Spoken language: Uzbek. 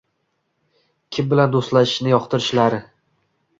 kim bilan do‘stlashishni yoqtirishlari